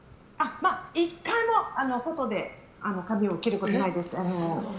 １回も外で髪を切ることがないです。